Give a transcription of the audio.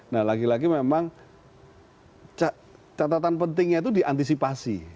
nah lagi lagi memang catatan pentingnya itu diantisipasi